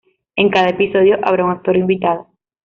En cada episodio habrá un actor invitado.